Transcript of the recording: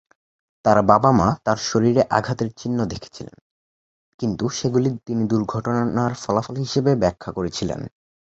তার বাবা-মা তার শরীরে আঘাতের চিহ্ন দেখেছিলেন, কিন্তু সেগুলি তিনি দুর্ঘটনার ফলাফল হিসাবে ব্যাখ্যা করেছিলেন।